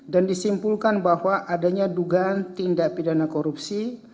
disimpulkan bahwa adanya dugaan tindak pidana korupsi